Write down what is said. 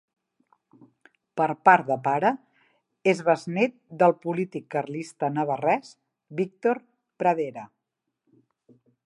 Per part de pare és besnét del polític carlista navarrès Víctor Pradera.